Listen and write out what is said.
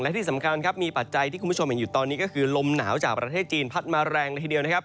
และที่สำคัญครับมีปัจจัยที่คุณผู้ชมเห็นอยู่ตอนนี้ก็คือลมหนาวจากประเทศจีนพัดมาแรงเลยทีเดียวนะครับ